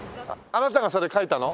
あなたがそれ描いたの？